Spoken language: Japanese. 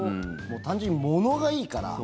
単純にものがいいから。